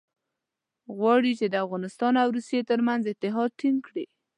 غواړي چې د افغانستان او روسیې ترمنځ اتحاد ټینګ کړي.